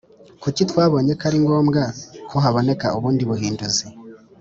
Kuki twabonye ko ari ngombwa ko haboneka ubundi buhinduzi